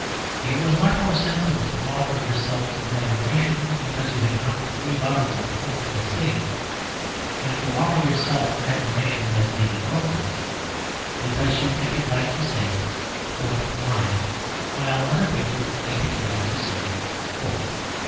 It was much more sensible to offer yourself for admiration because you had drunk three bottles of port at a sitting, than to offer yourself for admiration (as Lady Grove does) because you think it right to say "port wine" while other people think it right to say "port."